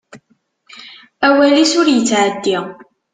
Awal-is ur yettεeddi.